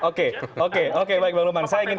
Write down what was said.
oke oke oke bang lukman saya ingin ke